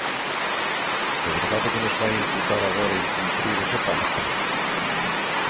¿De verdade que nos vai imputar agora incumprir ese pacto?